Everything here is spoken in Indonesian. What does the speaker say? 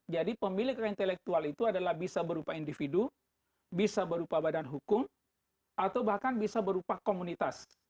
jadi pemilik kekayaan intelektual itu adalah bisa berupa individu bisa berupa badan hukum atau bahkan bisa berupa komunitas